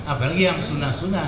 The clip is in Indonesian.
apalagi yang sunnah sunnah